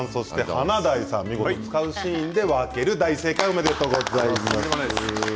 華大さん、見事使うシーンで分ける大正解、おめでとうございます。